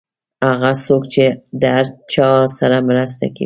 هغه څوک چې د هر چا سره مرسته کوي.